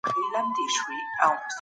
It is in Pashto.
خپل درسونه په دقت سره ولوله.